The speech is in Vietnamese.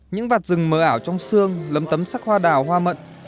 những vạt rừng mờ ảo trong xương lấm tấm sắc hoa đào hoa mận